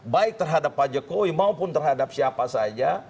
baik terhadap pak jokowi maupun terhadap siapa saja